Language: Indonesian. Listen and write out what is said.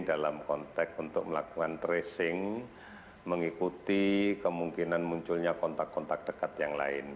dalam konteks untuk melakukan tracing mengikuti kemungkinan munculnya kontak kontak dekat yang lain